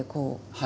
はい。